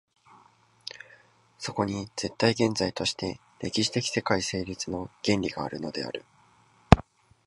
そこに絶対現在として歴史的世界成立の原理があるのである。